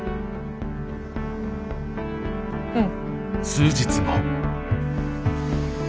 うん。